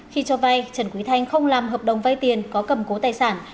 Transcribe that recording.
khi cho vay trần quý thanh không làm hợp đồng vay tiền có cầm cố tài sản